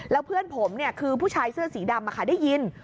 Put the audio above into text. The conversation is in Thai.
แล้วเพื่อนผมคือผู้ชายเสื้อสีดำได้ยิน